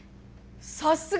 さっすが！